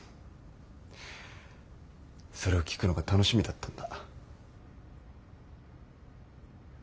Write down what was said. それを聞くのが楽しみだったんだ。